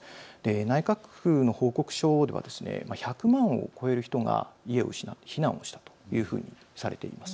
内閣府の報告書では１００万を超える人が家を失って避難をしたというふうにされています。